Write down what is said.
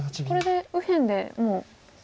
これで右辺でもう。